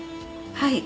はい。